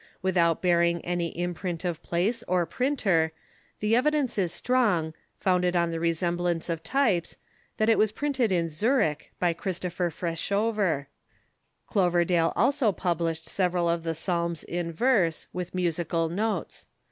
Without bearing any imprint of place or printer, the evidence is strong, founded on the resemblance of types, that it was printed in Zurich, by Christopher Frosehover, Covcrdale also published several of the Psalms in verse, with musical notes.